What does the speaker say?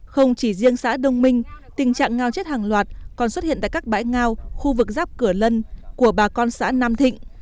không chỉ riêng xã đông minh tình trạng ngao chết hàng loạt còn xuất hiện tại các bãi ngao khu vực giáp cửa lân của bà con xã nam thịnh